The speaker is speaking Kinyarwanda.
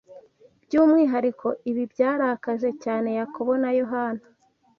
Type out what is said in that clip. By’umwihariko, ibi byarakaje cyane Yakobo na Yohana